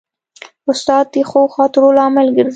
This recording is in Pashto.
استاد د ښو خاطرو لامل ګرځي.